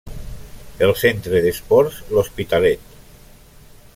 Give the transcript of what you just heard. El Centre d'Esports l'Hospitalet.